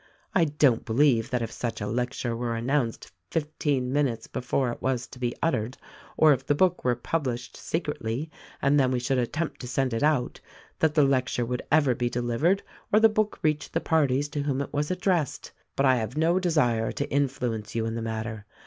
I don't believe that if such a lecture were announced fifteen minutes before it was to be uttered, or if the book were pub lished secretly and then we should attempt to send it out, that the lecture would ever be delivered or the book reach the parties to whom it was addressed. But I have no desire to influence you in the matter.